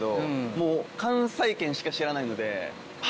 もう関西圏しか知らないので。